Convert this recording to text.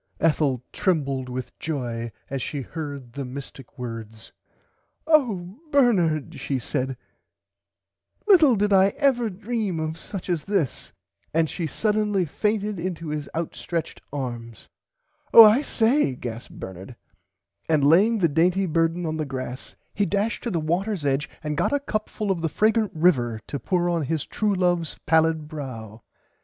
[Pg 93] Ethel trembled with joy as she heard the mistick words. Oh Bernard she said little did I ever dream of such as this and she suddenly fainted into his out stretched arms. Oh I say gasped Bernard and laying the dainty burden on the grass he dashed to the waters edge and got a cup full of the fragrant river to pour on his true loves pallid brow.